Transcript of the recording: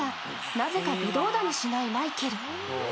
なぜか微動だにしないマイケル。